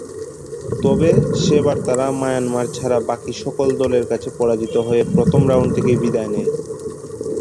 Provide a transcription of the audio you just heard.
তবে সেবার তারা মায়ানমার ছাড়া বাকি সকল দলের কাছে পরাজিত হয়ে প্রথম রাউন্ড থেকেই বিদায় নেয়।